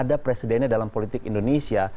sejak ke presidennya dalam politik indonesia